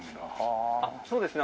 あっそうですね。